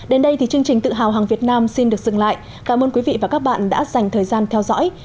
đến đây thì chương trình tự hào hàng việt nam xin được dừng lại cảm ơn quý vị và các bạn đã dành thời gian theo dõi